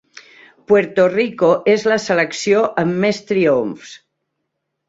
Puerto Rico és la selecció amb més triomfs.